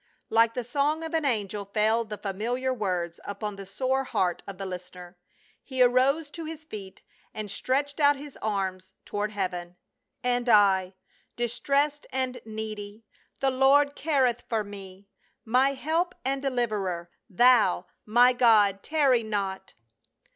Like the song of an angel fell the familiar words upon the sore heart of the listener. He arose to his feet and stretched out his arms toward heaven, " And I — distressed and needy — The Lord careth for me ; My help and deliverer, Thou, My God, tarry not